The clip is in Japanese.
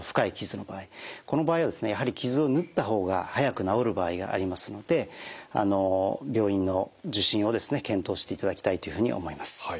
この場合はやはり傷を縫った方が早く治る場合がありますので病院の受診を検討していただきたいというふうに思います。